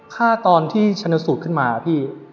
ฆ่าตอนที่ชันเตอร์สูตรขึ้นมาพี่